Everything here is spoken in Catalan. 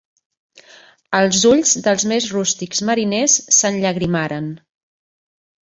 Els ulls dels més rústics mariners s'enllagrimaren.